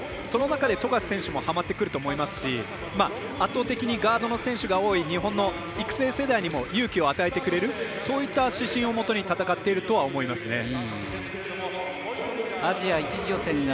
その中で富樫選手もはまってくると思いますし圧倒的にガードの選手が多い日本の育成世代にも勇気を与えてくれるそういった指針をもとに戦ってると思いますね。